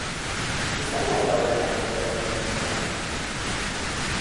Izango al da horrelakorik oraingo filmeetan?